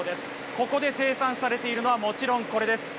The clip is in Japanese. ここで生産されているのはもちろんこれです。